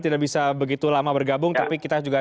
tidak bisa begitu lama bergabung tapi kita juga